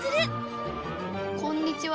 「こんにちは」